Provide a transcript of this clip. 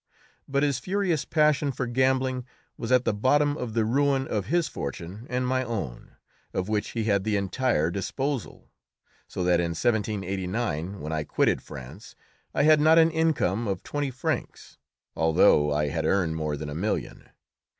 But his furious passion for gambling was at the bottom of the ruin of his fortune and my own, of which he had the entire disposal, so that in 1789, when I quitted France, I had not an income of twenty francs, although I had earned more than a million.